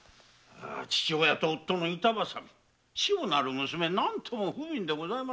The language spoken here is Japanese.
父親と夫の板ばさみ志保なる娘何ともふびんでございますな。